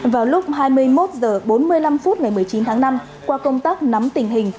vào lúc hai mươi một h bốn mươi năm phút ngày một mươi chín tháng năm qua công tác nắm tình hình